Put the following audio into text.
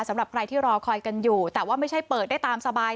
สำหรับใครที่รอคอยกันอยู่แต่ว่าไม่ใช่เปิดได้ตามสบาย